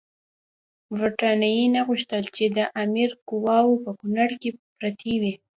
برټانیې نه غوښتل چې د امیر قواوې په کونړ کې پرتې وي.